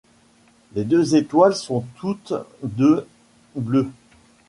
Les deux étoiles sont toutes deux bleues.